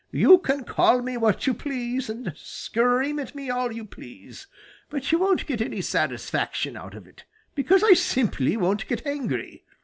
You can call me what you please and scream at me all you please, but you won't get any satisfaction out of it, because I simply won't get angry.